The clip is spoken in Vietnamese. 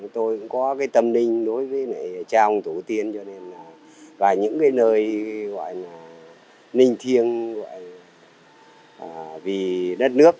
tôi cũng có cái tâm linh đối với cha ông thủ tiên cho nên là và những cái nơi gọi là ninh thiêng gọi là vì đất nước